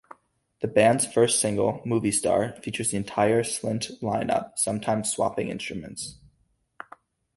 The band's first single, "Movie Star", features the entire Slint line-up, sometimes swapping instruments.